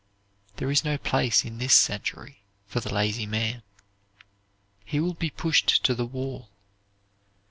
There is no place in this century for the lazy man. He will be pushed to the wall.